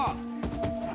あ！